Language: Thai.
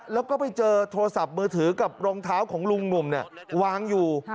แล้วก็ไปเจอโทรศัพท์มือถือกับรองเท้าของลุงหนุ่มวางอยู่